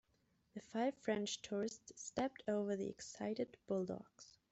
The five French tourists stepped over the excited bulldogs.